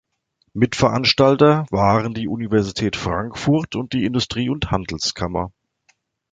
Mitveranstalter waren die Universität Frankfurt und die Industrie- und Handelskammer.